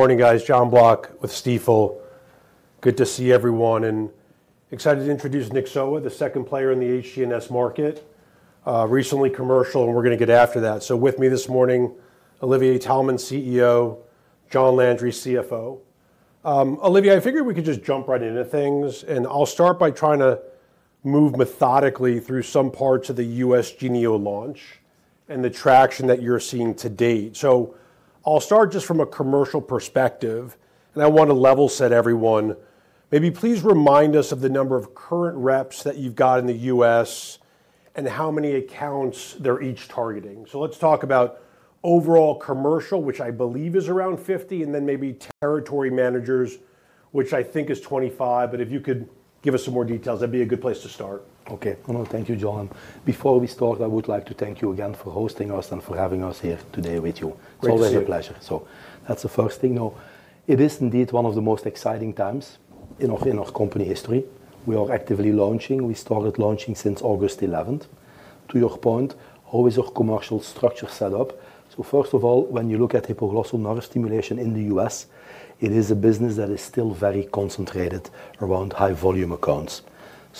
Morning, guys. John Block with Stifel. Good to see everyone, and excited to introduce Nyxoah, the second player in the HG&S market, recently commercial, and we're going to get after that. With me this morning, Olivier Taelman, CEO, John Landry, CFO. Olivier, I figured we could just jump right into things, and I'll start by trying to move methodically through some parts of the U.S. Genio launch and the traction that you're seeing to date. I'll start just from a commercial perspective, and I want to level set everyone. Maybe please remind us of the number of current reps that you've got in the U.S. and how many accounts they're each targeting. Let's talk about overall commercial, which I believe is around 50, and then maybe territory managers, which I think is 25.If you could give us some more details, that'd be a good place to start. Okay. Thank you, John. Before we start, I would like to thank you again for hosting us and for having us here today with you. It's always a pleasure. That is the first thing. It is indeed one of the most exciting times in our company history. We are actively launching. We started launching since August 11. To your point, always our commercial structure set up. First of all, when you look at hypoglossal nerve stimulation in the U.S., it is a business that is still very concentrated around high-volume accounts.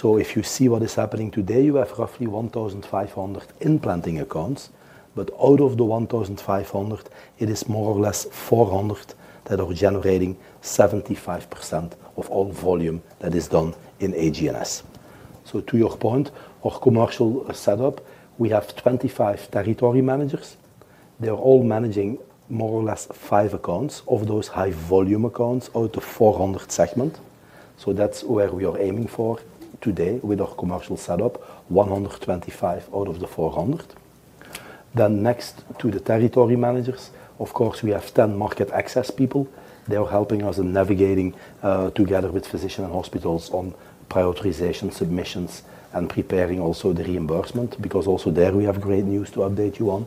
If you see what is happening today, you have roughly 1,500 implanting accounts, but out of the 1,500, it is more or less 400 that are generating 75% of all volume that is done in HGNS. To your point, our commercial setup, we have 25 territory managers. They're all managing more or less five accounts of those high-volume accounts out of 400 segments. That is where we are aiming for today with our commercial setup, 125 out of the 400. Next to the territory managers, of course, we have 10 market access people. They are helping us in navigating together with physicians and hospitals on prioritization, submissions, and preparing also the reimbursement because also there we have great news to update you on.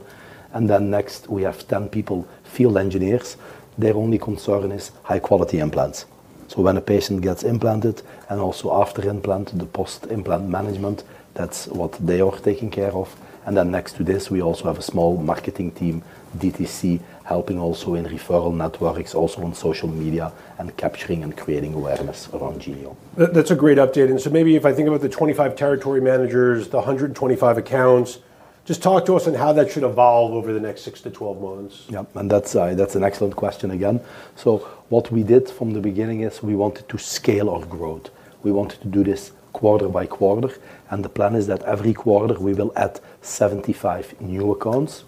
Next, we have 10 people, field engineers. Their only concern is high-quality implants. When a patient gets implanted and also after implant, the post-implant management, that is what they are taking care of. Next to this, we also have a small marketing team, DTC, helping also in referral networks, also on social media and capturing and creating awareness around Genio. That's a great update. Maybe if I think about the 25 territory managers, the 125 accounts, just talk to us on how that should evolve over the next 6 to 12 months. Yeah, and that's an excellent question again. What we did from the beginning is we wanted to scale our growth. We wanted to do this quarter by quarter, and the plan is that every quarter we will add 75 new accounts.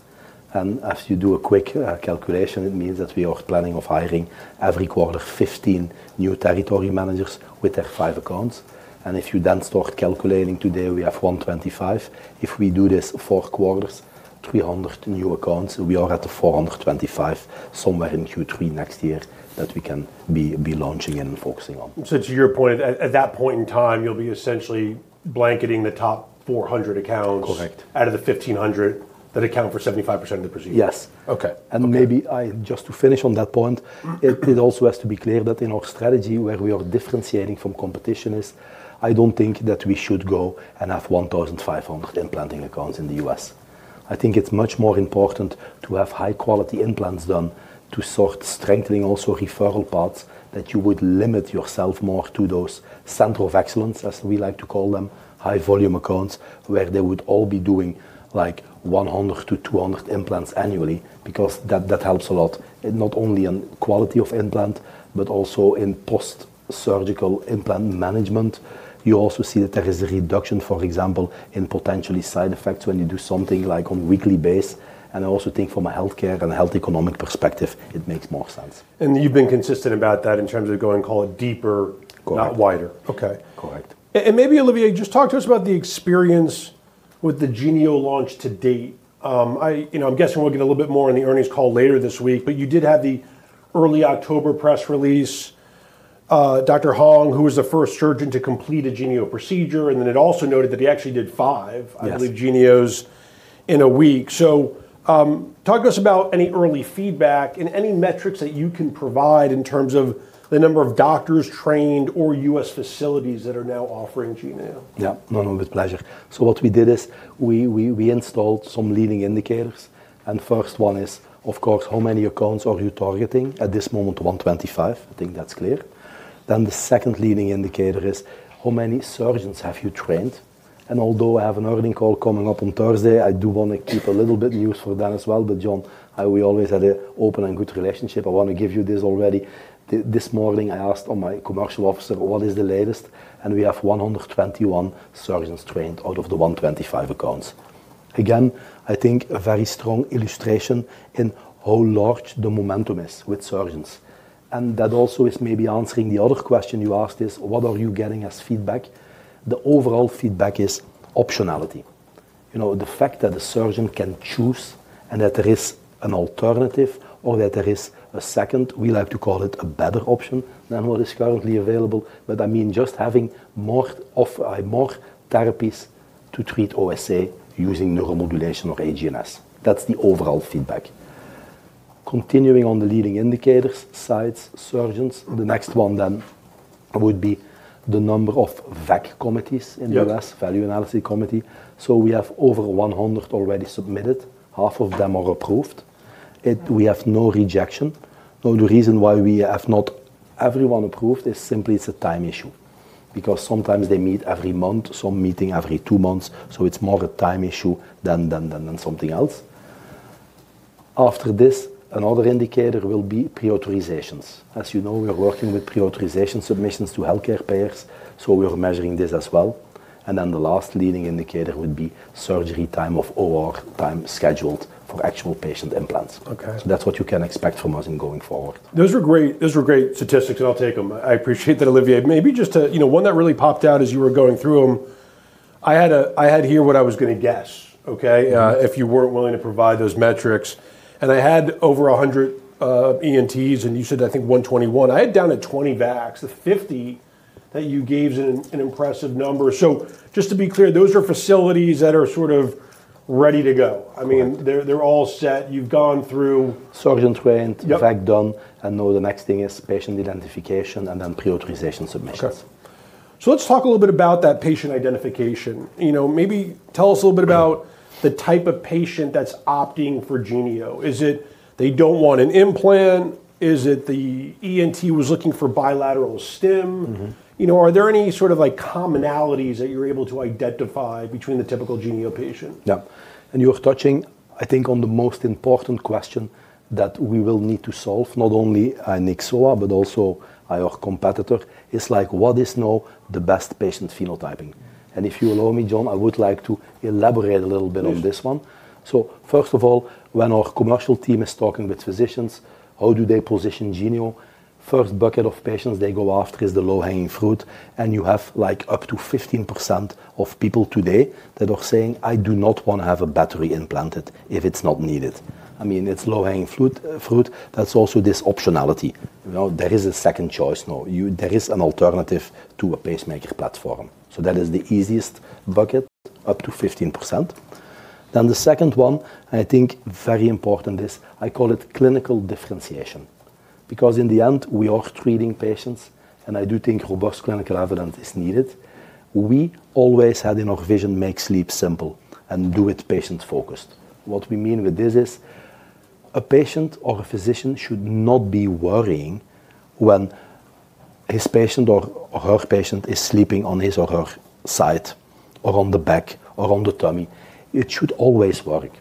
As you do a quick calculation, it means that we are planning on hiring every quarter 15 new territory managers with their five accounts. If you then start calculating, today we have 125. If we do this four quarters, 300 new accounts, we are at the 425 somewhere in Q3 next year that we can be launching and focusing on. To your point, at that point in time, you'll be essentially blanketing the top 400 accounts. Correct. Out of the 1,500 that account for 75% of the procedure. Yes. Okay. Maybe just to finish on that point, it also has to be clear that in our strategy, where we are differentiating from competition, I do not think that we should go and have 1,500 implanting accounts in the U.S. I think it is much more important to have high-quality implants done to start strengthening also referral paths that you would limit yourself more to those center of excellence, as we like to call them, high-volume accounts where they would all be doing like 100-200 implants annually because that helps a lot, not only in quality of implant, but also in post-surgical implant management. You also see that there is a reduction, for example, in potentially side effects when you do something like on a weekly basis. I also think from a healthcare and health economic perspective, it makes more sense. You have been consistent about that in terms of going, call it deeper, not wider. Correct. Okay. Correct. Maybe, Olivier, just talk to us about the experience with the Genio launch to date. I'm guessing we'll get a little bit more in the earnings call later this week, but you did have the early October press release. Dr. Huang, who was the first surgeon to complete a Genio procedure, and then it also noted that he actually did five, I believe, Genios in a week. Talk to us about any early feedback and any metrics that you can provide in terms of the number of doctors trained or U.S. facilities that are now offering Genio. Yeah, no, no, with pleasure. What we did is we installed some leading indicators. First one is, of course, how many accounts are you targeting? At this moment, 125. I think that's clear. The second leading indicator is how many surgeons have you trained? Although I have an earnings call coming up on Thursday, I do want to keep a little bit news for that as well. John, we always had an open and good relationship. I want to give you this already. This morning, I asked my commercial officer, what is the latest? We have 121 surgeons trained out of the 125 accounts. I think a very strong illustration in how large the momentum is with surgeons. That also is maybe answering the other question you asked, what are you getting as feedback? The overall feedback is optionality. The fact that the surgeon can choose and that there is an alternative or that there is a second, we like to call it a better option than what is currently available. That means just having more therapies to treat OSA using neuromodulation or HGNS. That is the overall feedback. Continuing on the leading indicators, sites, surgeons, the next one then would be the number of VAC committees in the U.S., Value Analysis Committee. We have over 100 already submitted. Half of them are approved. We have no rejection. The reason why we have not everyone approved is simply it is a time issue because sometimes they meet every month, some meeting every two months. It is more a time issue than something else. After this, another indicator will be pre-authorizations. As you know, we are working with pre-authorization submissions to healthcare payers. We are measuring this as well. The last leading indicator would be surgery time or OR time scheduled for actual patient implants. That is what you can expect from us going forward. Those are great statistics, and I'll take them. I appreciate that, Olivier. Maybe just one that really popped out as you were going through them. I had here what I was going to guess, okay, if you were not willing to provide those metrics. And I had over 100 ENTs, and you said, I think, 121. I had down at 20 VACs. The 50 that you gave is an impressive number. Just to be clear, those are facilities that are sort of ready to go. I mean, they are all set. You have gone through. Surgeons trained, VAC done, and now the next thing is patient identification and then pre-authorization submissions. Okay. So let's talk a little bit about that patient identification. Maybe tell us a little bit about the type of patient that's opting for Genio. Is it they don't want an implant? Is it the ENT was looking for bilateral stim? Are there any sort of commonalities that you're able to identify between the typical Genio patient? Yeah. You are touching, I think, on the most important question that we will need to solve, not only Nyxoah, but also our competitor. It's like, what is now the best patient phenotyping? If you allow me, John, I would like to elaborate a little bit on this one. First of all, when our commercial team is talking with physicians, how do they position Genio? First bucket of patients they go after is the low-hanging fruit. You have up to 15% of people today that are saying, "I do not want to have a battery implanted if it's not needed." I mean, it's low-hanging fruit. That's also this optionality. There is a second choice now. There is an alternative to a pacemaker platform. That is the easiest bucket, up to 15%. The second one, and I think very important, is I call it clinical differentiation. Because in the end, we are treating patients, and I do think robust clinical evidence is needed. We always had in our vision make sleep simple and do it patient-focused. What we mean with this is a patient or a physician should not be worrying when his patient or her patient is sleeping on his or her side or on the back or on the tummy. It should always work.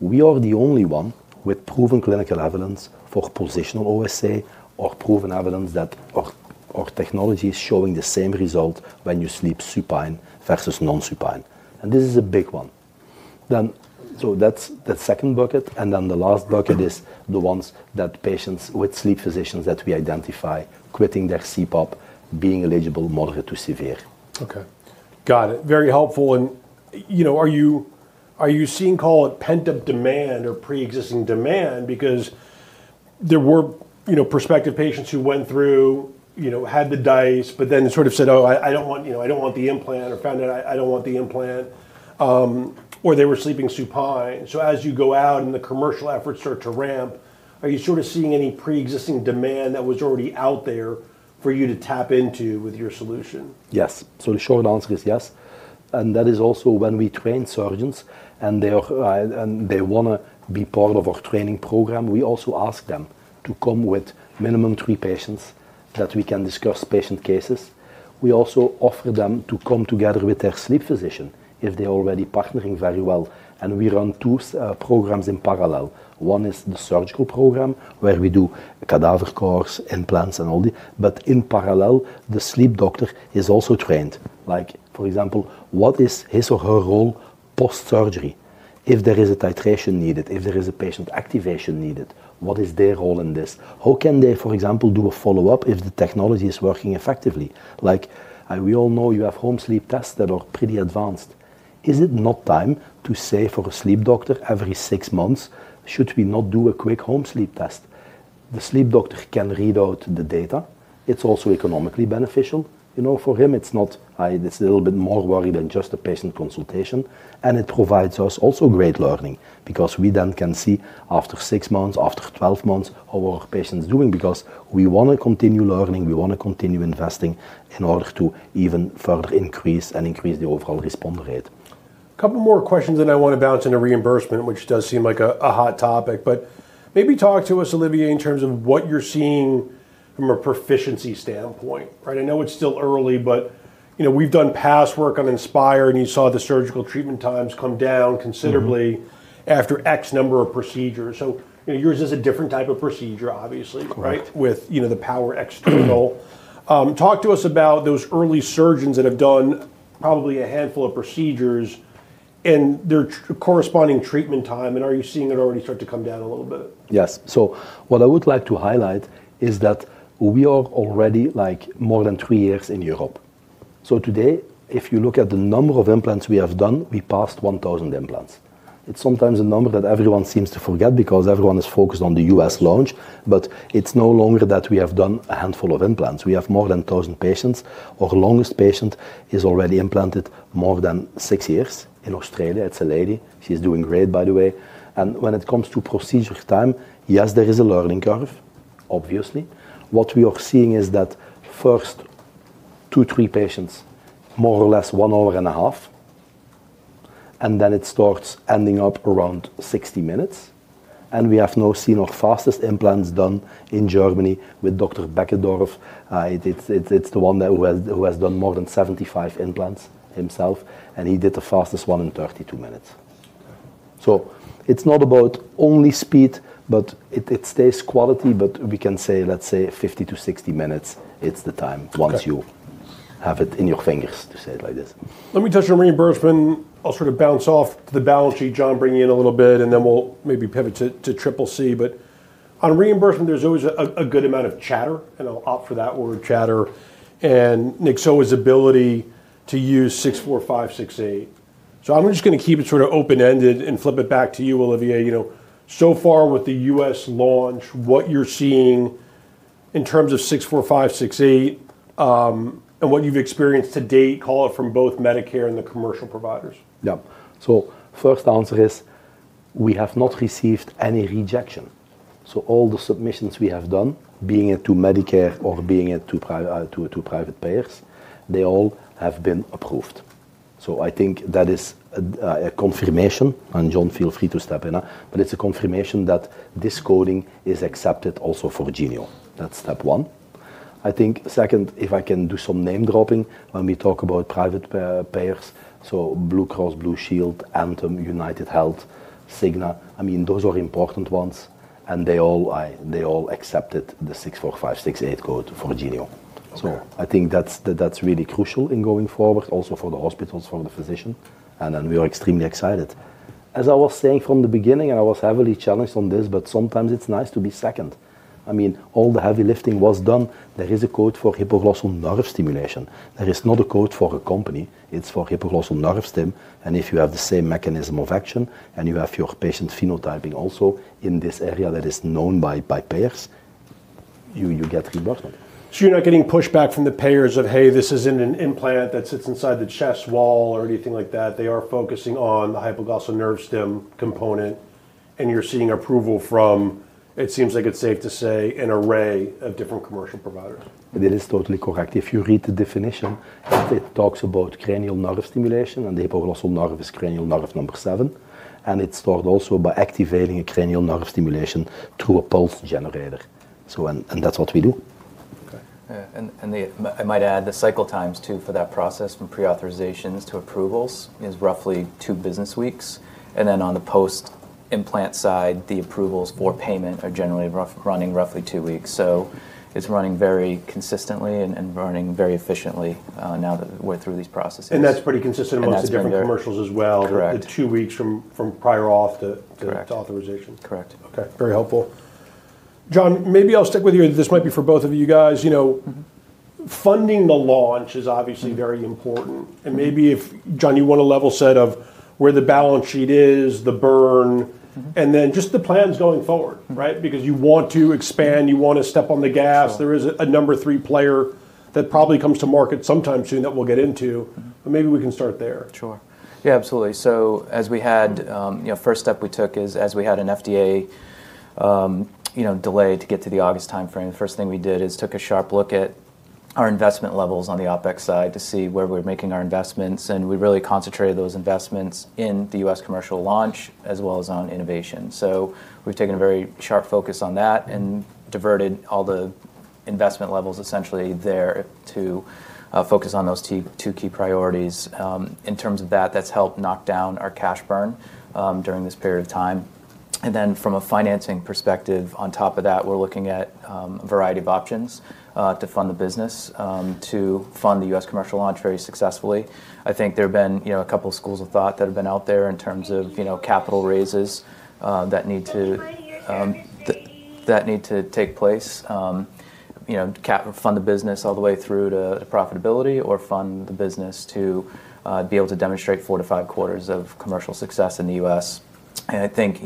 We are the only one with proven clinical evidence for Positional OSA or proven evidence that our technology is showing the same result when you sleep supine versus non-supine. This is a big one. That is the second bucket. The last bucket is the ones that patients with sleep physicians that we identify quitting their CPAP, being eligible, moderate to severe. Okay. Got it. Very helpful. Are you seeing, call it, pent-up demand or pre-existing demand? Because there were prospective patients who went through, had the DICE, but then sort of said, "Oh, I don't want the implant," or found out, "I don't want the implant," or they were sleeping supine. As you go out and the commercial efforts start to ramp, are you sort of seeing any pre-existing demand that was already out there for you to tap into with your solution? Yes. The short answer is yes. That is also when we train surgeons and they want to be part of our training program, we also ask them to come with minimum three patients that we can discuss patient cases. We also offer them to come together with their sleep physician if they are already partnering very well. We run two programs in parallel. One is the surgical program where we do cadaver courses, implants, and all these. In parallel, the sleep doctor is also trained. For example, what is his or her role post-surgery? If there is a titration needed, if there is a patient activation needed, what is their role in this? How can they, for example, do a follow-up if the technology is working effectively? We all know you have home sleep tests that are pretty advanced. Is it not time to say for a sleep doctor every six months, should we not do a quick home sleep test? The sleep doctor can read out the data. It's also economically beneficial for him. It's a little bit more worry than just a patient consultation. It provides us also great learning because we then can see after six months, after 12 months, how are our patients doing? We want to continue learning. We want to continue investing in order to even further increase and increase the overall response rate. A couple more questions, and I want to bounce into reimbursement, which does seem like a hot topic, but maybe talk to us, Olivier, in terms of what you're seeing from a proficiency standpoint. I know it's still early, but we've done past work on Inspire, and you saw the surgical treatment times come down considerably after X number of procedures. Yours is a different type of procedure, obviously, with the power external. Talk to us about those early surgeons that have done probably a handful of procedures and their corresponding treatment time. Are you seeing it already start to come down a little bit? Yes. What I would like to highlight is that we are already more than three years in Europe. Today, if you look at the number of implants we have done, we passed 1,000 implants. It's sometimes a number that everyone seems to forget because everyone is focused on the U.S. launch. It's no longer that we have done a handful of implants. We have more than 1,000 patients. Our longest patient is already implanted more than six years in Australia. It's a lady. She's doing great, by the way. When it comes to procedure time, yes, there is a learning curve, obviously. What we are seeing is that first two, three patients, more or less one hour and a half, and then it starts ending up around 60 minutes. We have now seen our fastest implants done in Germany with Dr. Beckendorf. It's the one who has done more than 75 implants himself, and he did the fastest one in 32 minutes. It is not about only speed, but it stays quality, but we can say, let's say, 50-60 minutes. It's the time once you have it in your fingers, to say it like this. Let me touch on reimbursement. I'll sort of bounce off the balance sheet, John, bring you in a little bit, and then we'll maybe pivot to Triple C. On reimbursement, there's always a good amount of chatter, and I'll opt for that word, chatter, and Nyxoah's ability to use 64568. I'm just going to keep it sort of open-ended and flip it back to you, Olivier. So far with the U.S. launch, what you're seeing in terms of 64568 and what you've experienced to date, call it from both Medicare and the commercial providers? Yeah. First answer is we have not received any rejection. All the submissions we have done, being it to Medicare or being it to private payers, they all have been approved. I think that is a confirmation. John, feel free to step in. It is a confirmation that this coding is accepted also for Genio. That is step one. I think second, if I can do some name dropping when we talk about private payers. Blue Cross Blue Shield, Anthem, UnitedHealth, Cigna. I mean, those are important ones, and they all accepted the 64568 code for Genio. I think that is really crucial in going forward, also for the hospitals, for the physician. We are extremely excited. As I was saying from the beginning, and I was heavily challenged on this, but sometimes it is nice to be second. I mean, all the heavy lifting was done. There is a code for Hypoglossal Nerve Stimulation. There is not a code for a company. It's for Hypoglossal Nerve Stim. And if you have the same mechanism of action and you have your patient phenotyping also in this area that is known by payers, you get reimbursement. You're not getting pushback from the payers of, "Hey, this isn't an implant that sits inside the chest wall or anything like that." They are focusing on the Hypoglossal Nerve Stim component, and you're seeing approval from, it seems like it's safe to say, an array of different commercial providers. It is totally correct. If you read the definition, it talks about cranial nerve stimulation, and the hypoglossal nerve is cranial nerve number twelve. It is thought also by activating a cranial nerve stimulation through a pulse generator. That is what we do. I might add the cycle times too for that process from pre-authorizations to approvals is roughly two business weeks. Then on the post-implant side, the approvals for payment are generally running roughly two weeks. It is running very consistently and running very efficiently now that we're through these processes. That's pretty consistent amongst the different commercials as well. The two weeks from prior auth to authorization. Correct. Okay. Very helpful. John, maybe I'll stick with you. This might be for both of you guys. Funding the launch is obviously very important. Maybe, John, you want a level set of where the balance sheet is, the burn, and then just the plans going forward, right? You want to expand. You want to step on the gas. There is a number three player that probably comes to market sometime soon that we'll get into. Maybe we can start there. Sure. Yeah, absolutely. As we had, first step we took is as we had an FDA delay to get to the August timeframe, the first thing we did is took a sharp look at our investment levels on the OpEx side to see where we were making our investments. We really concentrated those investments in the U.S. commercial launch as well as on innovation. We have taken a very sharp focus on that and diverted all the investment levels essentially there to focus on those two key priorities. In terms of that, that has helped knock down our cash burn during this period of time. From a financing perspective, on top of that, we are looking at a variety of options to fund the business to fund the U.S. commercial launch very successfully. I think there have been a couple of schools of thought that have been out there in terms of capital raises that need to take place, fund the business all the way through to profitability or fund the business to be able to demonstrate four to five quarters of commercial success in the U.S. I think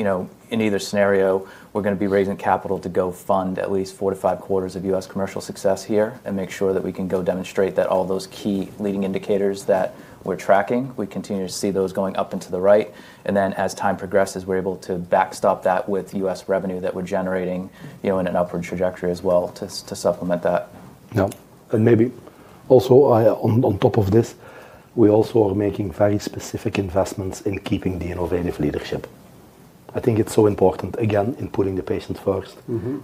in either scenario, we're going to be raising capital to go fund at least four to five quarters of U.S. commercial success here and make sure that we can go demonstrate that all those key leading indicators that we're tracking, we continue to see those going up and to the right. As time progresses, we're able to backstop that with U.S. revenue that we're generating in an upward trajectory as well to supplement that. Yeah. Maybe also on top of this, we also are making very specific investments in keeping the innovative leadership. I think it's so important, again, in putting the patient first.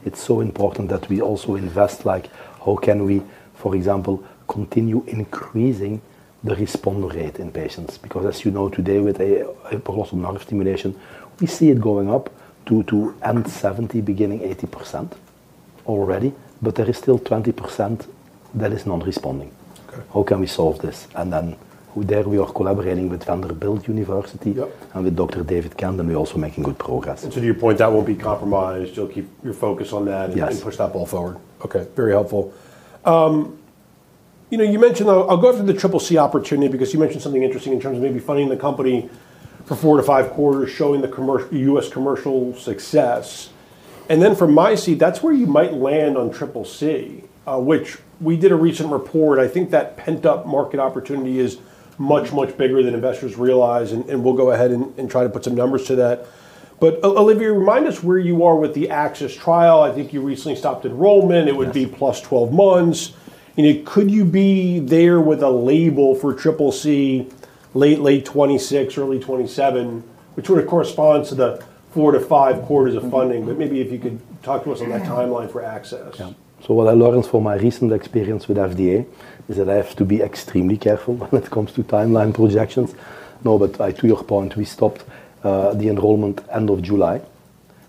It's so important that we also invest like, how can we, for example, continue increasing the response rate in patients? Because as you know, today with Hypoglossal Nerve Stimulation, we see it going up to end 70, beginning 80% already, but there is still 20% that is non-responding. How can we solve this? There we are collaborating with Vanderbilt University and with Dr. David Kent. We're also making good progress. To your point, that won't be compromised. You'll keep your focus on that and push that ball forward. Okay. Very helpful. You mentioned I'll go through the Triple C opportunity because you mentioned something interesting in terms of maybe funding the company for four to five quarters, showing the U.S. commercial success. From my seat, that's where you might land on Triple C, which we did a recent report. I think that pent-up market opportunity is much, much bigger than investors realize. We'll go ahead and try to put some numbers to that. Olivier, remind us where you are with the Axis trial. I think you recently stopped enrollment. It would be plus 12 months. Could you be there with a label for Triple C, late, late 2026, early 2027, which would correspond to the four to five quarters of funding? Maybe if you could talk to us on that timeline for Axis. Yeah. So what I learned from my recent experience with FDA is that I have to be extremely careful when it comes to timeline projections. No, but to your point, we stopped the enrollment end of July.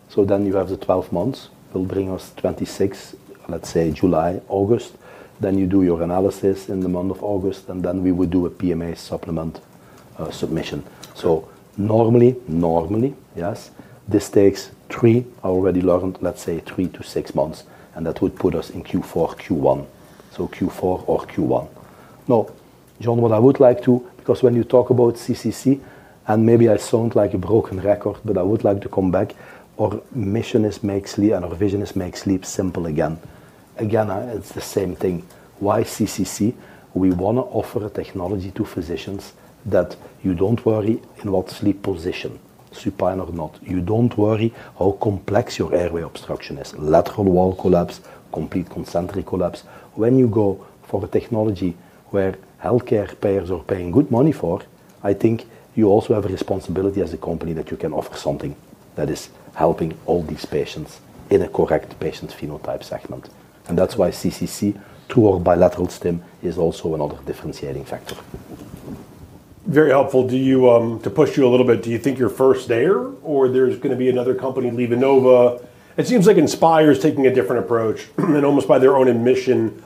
So then you have the 12 months. It will bring us 26, let's say July, August. Then you do your analysis in the month of August, and then we would do a PMA supplement submission. Normally, yes, this takes three, I already learned, let's say three to six months, and that would put us in Q4, Q1. Q4 or Q1. No, John, what I would like to, because when you talk about CCC, and maybe I sound like a broken record, but I would like to come back, our mission is make sleep and our vision is make sleep simple again. Again, it's the same thing. Why CCC? We want to offer a technology to physicians that you don't worry in what sleep position, supine or not. You don't worry how complex your airway obstruction is, lateral wall collapse, complete concentric collapse. When you go for a technology where healthcare payers are paying good money for, I think you also have a responsibility as a company that you can offer something that is helping all these patients in a correct patient phenotype segment. That's why CCC to our bilateral stim is also another differentiating factor. Very helpful. To push you a little bit, do you think you're first there or there's going to be another company, LivaNova? It seems like Inspire is taking a different approach and then almost by their own admission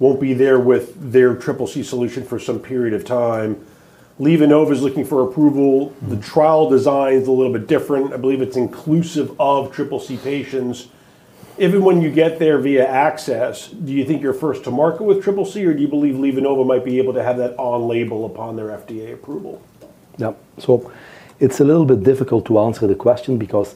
won't be there with their Triple C solution for some period of time. LivaNova is looking for approval. The trial design is a little bit different. I believe it's inclusive of Triple C patients. Even when you get there via Axis, do you think you're first to market with Triple C or do you believe LivaNova might be able to have that on label upon their FDA approval? Yeah. So it's a little bit difficult to answer the question because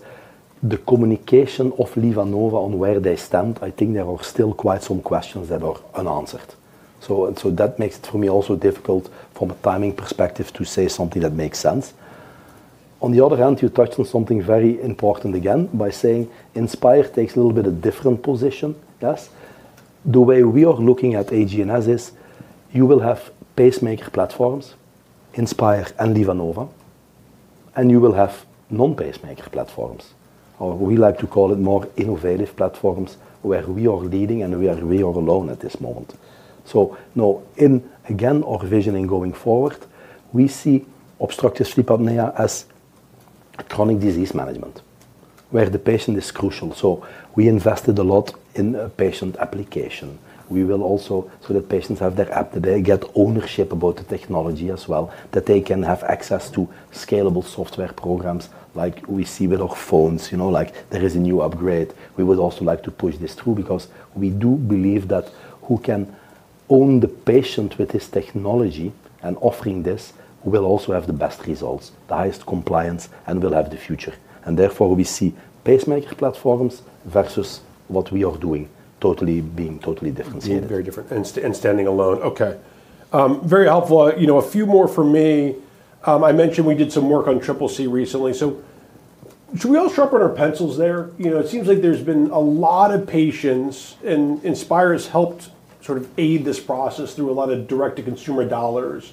the communication of LivaNova on where they stand, I think there are still quite some questions that are unanswered. That makes it for me also difficult from a timing perspective to say something that makes sense. On the other hand, you touched on something very important again by saying Inspire takes a little bit of a different position. The way we are looking at HGNS is you will have pacemaker platforms, Inspire and LivaNova, and you will have non-pacemaker platforms. We like to call it more innovative platforms where we are leading and where we are alone at this moment. Now, again, our vision in going forward, we see obstructive sleep apnea as chronic disease management where the patient is crucial. We invested a lot in patient application. We will also so that patients have their app, that they get ownership about the technology as well, that they can have access to scalable software programs like we see with our phones. There is a new upgrade. We would also like to push this through because we do believe that who can own the patient with this technology and offering this will also have the best results, the highest compliance, and will have the future. Therefore, we see pacemaker platforms versus what we are doing being totally differentiated. Very different and standing alone. Okay. Very helpful. A few more for me. I mentioned we did some work on Triple C recently. Should we all sharpen our pencils there? It seems like there's been a lot of patients, and Inspire has helped sort of aid this process through a lot of direct-to-consumer dollars.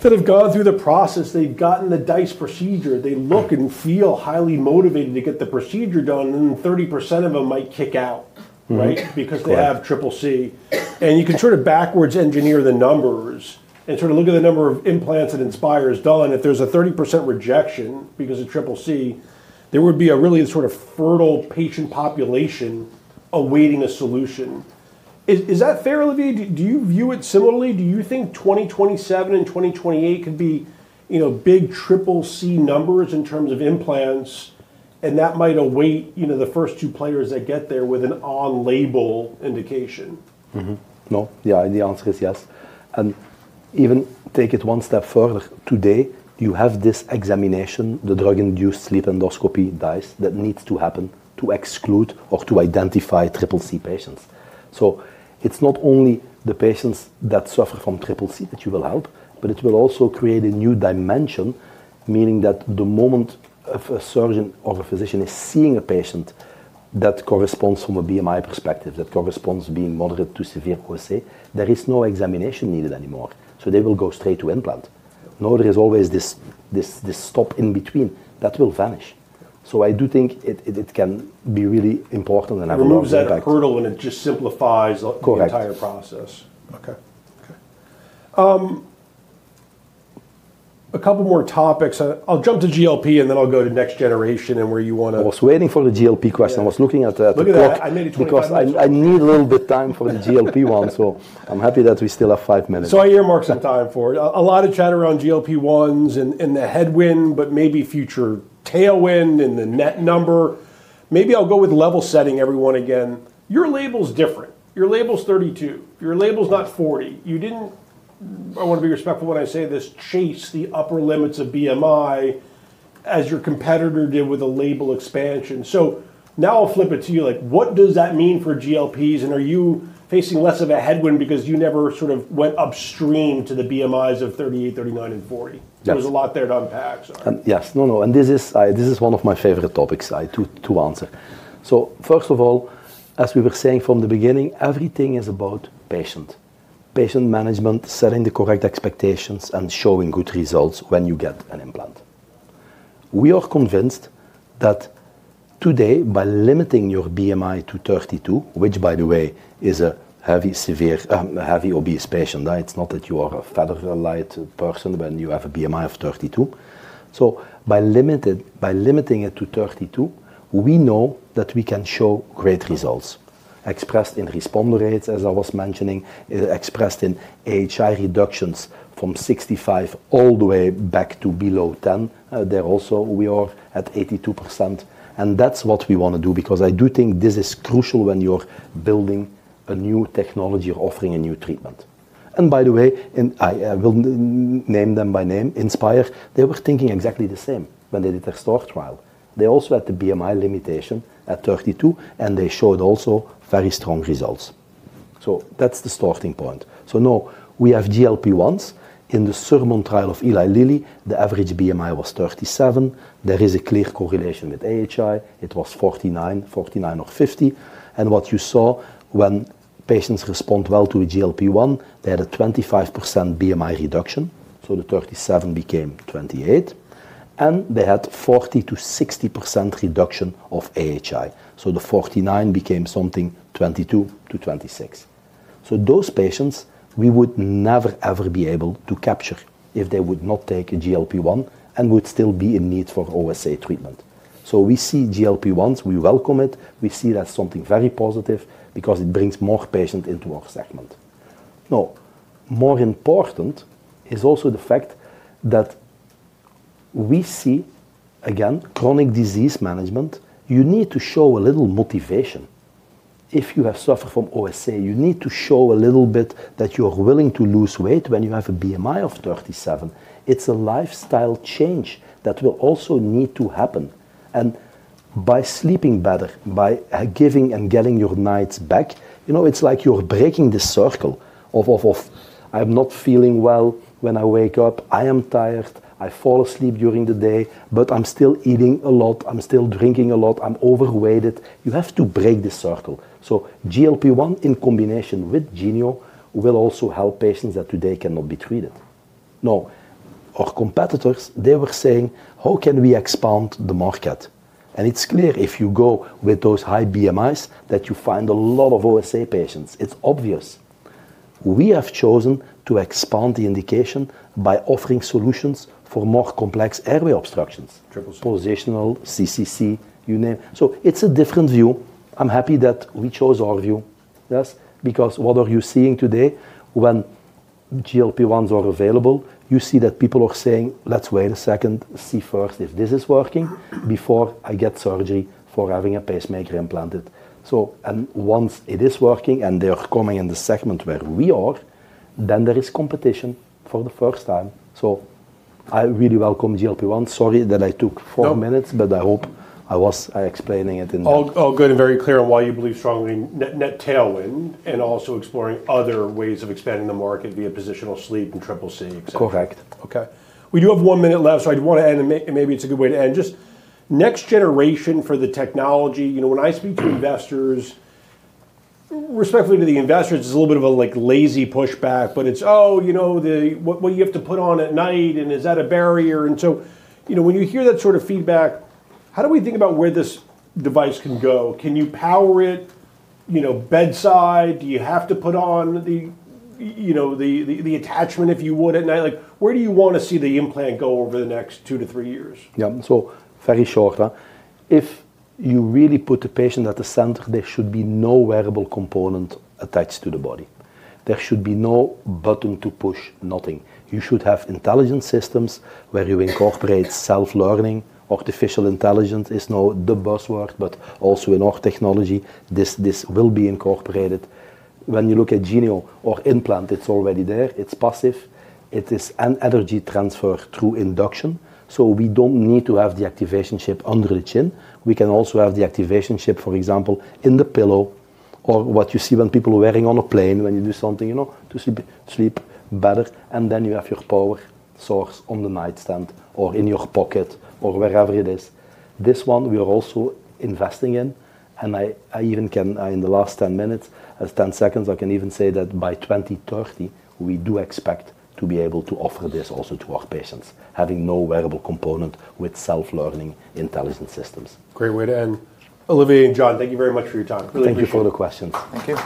That have gone through the process, they've gotten the DICE procedure, they look and feel highly motivated to get the procedure done, and then 30% of them might kick out, right? Because they have Triple C. You can sort of backwards engineer the numbers and sort of look at the number of implants that Inspire has done. If there's a 30% rejection because of Triple C, there would be a really sort of fertile patient population awaiting a solution. Is that fair, Olivier? Do you view it similarly? Do you think 2027 and 2028 could be big Triple C numbers in terms of implants, and that might await the first two players that get there with an on-label indication? No. Yeah, the answer is yes. Even take it one step further. Today, you have this examination, the drug-induced sleep endoscopy DICE that needs to happen to exclude or to identify Triple C patients. It is not only the patients that suffer from Triple C that you will help, but it will also create a new dimension, meaning that the moment a surgeon or a physician is seeing a patient that corresponds from a BMI perspective, that corresponds being moderate to severe OSA, there is no examination needed anymore. They will go straight to implant. No, there is always this stop in between that will vanish. I do think it can be really important and have a lot of impact. Remove that hurdle and it just simplifies the entire process. Correct. Okay. Okay. A couple more topics. I'll jump to GLP and then I'll go to next generation and where you want to. I was waiting for the GLP question. I was looking at that. Look at it. I made it too quick. Because I need a little bit of time for the GLP-1, so I'm happy that we still have five minutes. I earmark some time for it. A lot of chatter around GLP-1s and the headwind, but maybe future tailwind and the net number. Maybe I'll go with level setting everyone again. Your label's different. Your label's 32. Your label's not 40. You didn't, I want to be respectful when I say this, chase the upper limits of BMI as your competitor did with a label expansion. Now I'll flip it to you. What does that mean for GLPs? And are you facing less of a headwind because you never sort of went upstream to the BMIs of 38, 39, and 40? There was a lot there to unpack, sorry. Yes. No, no. This is one of my favorite topics to answer. First of all, as we were saying from the beginning, everything is about patient. Patient management, setting the correct expectations, and showing good results when you get an implant. We are convinced that today, by limiting your BMI to 32, which by the way is a heavy, severe, heavy obese patient, it's not that you are a feather-light person when you have a BMI of 32. By limiting it to 32, we know that we can show great results expressed in response rates, as I was mentioning, expressed in HI reductions from 65 all the way back to below 10. There also, we are at 82%. That's what we want to do because I do think this is crucial when you're building a new technology or offering a new treatment. By the way, I will name them by name, Inspire, they were thinking exactly the same when they did their START trial. They also had the BMI limitation at 32, and they showed also very strong results. That is the starting point. Now we have GLP-1s. In the Sermon trial of Eli Lilly, the average BMI was 37. There is a clear correlation with AHI. It was 49, 49 or 50. What you saw when patients respond well to a GLP-1, they had a 25% BMI reduction. The 37 became 28. They had 40%-60% reduction of AHI. The 49 became something 22-26. Those patients, we would never, ever be able to capture if they would not take a GLP-1 and would still be in need for OSA treatment. We see GLP-1s, we welcome it. We see that's something very positive because it brings more patients into our segment. Now, more important is also the fact that we see, again, chronic disease management, you need to show a little motivation. If you have suffered from OSA, you need to show a little bit that you are willing to lose weight when you have a BMI of 37. It's a lifestyle change that will also need to happen. By sleeping better, by giving and getting your nights back, it's like you're breaking the circle of, "I'm not feeling well when I wake up. I am tired. I fall asleep during the day, but I'm still eating a lot. I'm still drinking a lot. I'm overweighted." You have to break the circle. GLP-1 in combination with Genio will also help patients that today cannot be treated. Now, our competitors, they were saying, "How can we expand the market?" It is clear if you go with those high BMIs that you find a lot of OSA patients. It is obvious. We have chosen to expand the indication by offering solutions for more complex airway obstructions, positional CCC, you name it. It is a different view. I am happy that we chose our view. Yes. Because what are you seeing today? When GLP-1s are available, you see that people are saying, "Let's wait a second, see first if this is working before I get surgery for having a pacemaker implanted." Once it is working and they are coming in the segment where we are, then there is competition for the first time. I really welcome GLP-1s. Sorry that I took four minutes, but I hope I was explaining it in. All good and very clear on why you believe strongly in net tailwind and also exploring other ways of expanding the market via positional sleep and Triple C. Correct. Okay. We do have one minute left, so I'd want to end, and maybe it's a good way to end. Just next generation for the technology. When I speak to investors, respectfully to the investors, it's a little bit of a lazy pushback, but it's, "Oh, you know what you have to put on at night, and is that a barrier?" When you hear that sort of feedback, how do we think about where this device can go? Can you power it bedside? Do you have to put on the attachment, if you would, at night? Where do you want to see the implant go over the next two to three years? Yeah. Very short. If you really put the patient at the center, there should be no wearable component attached to the body. There should be no button to push, nothing. You should have intelligent systems where you incorporate self-learning. Artificial intelligence is now the buzzword, but also in our technology, this will be incorporated. When you look at Genio or implant, it's already there. It's passive. It is an energy transfer through induction. We don't need to have the activation chip under the chin. We can also have the activation chip, for example, in the pillow or what you see when people are wearing on a plane when you do something to sleep better. Then you have your power source on the nightstand or in your pocket or wherever it is. This one we are also investing in. I even can, in the last 10 minutes or 10 seconds, I can even say that by 2030, we do expect to be able to offer this also to our patients, having no wearable component with self-learning intelligent systems. Great way to end. Olivier and John, thank you very much for your time. Thank you for the questions. Thank you.